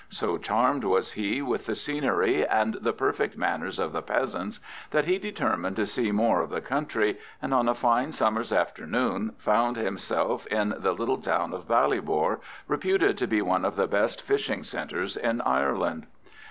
So charmed was he with the scenery and the perfect manners of the peasants that he determined to see more of the country, and on a fine summer's afternoon found himself in the little town of Ballybor, reputed to be one of the best fishing centres in Ireland.